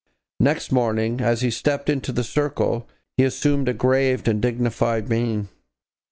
Next morning, as he stepped into the circle, he assumed a grave and dignified mien.